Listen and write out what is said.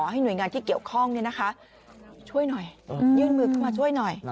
ให้หน่วยงานที่เกี่ยวข้องช่วยหน่อยยื่นมือเข้ามาช่วยหน่อย